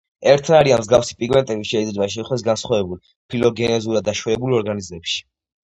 ერთნაირი ან მსგავსი პიგმენტები შეიძლება შეგვხვდეს განსხვავებულ, ფილოგენეზურად დაშორებულ ორგანიზმებში.